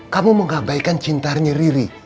kamu mengabaikan cintanya riri